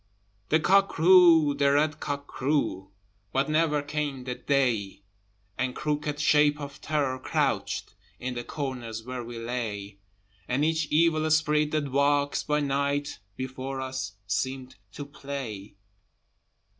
The cock crew, the red cock crew, But never came the day: And crooked shape of Terror crouched, In the corners where we lay: And each evil sprite that walks by night Before us seemed to play.